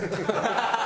ハハハハ！